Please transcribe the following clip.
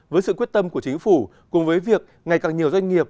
với sự quyết tâm của chính phủ cùng với việc ngày càng nhiều doanh nghiệp